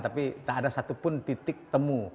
tapi tak ada satupun titik temu